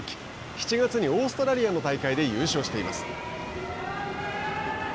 ７月にオーストラリアの大会で優勝しています。